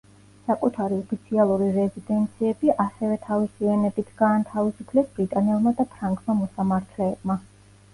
საკუთარი ოფიციალური რეზიდენციები ასევე თავისივე ნებით გაანთავისუფლეს ბრიტანელმა და ფრანგმა მოსამართლეებმა.